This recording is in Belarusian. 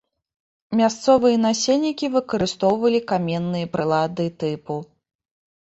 Мясцовыя насельнікі выкарыстоўвалі каменныя прылады тыпу.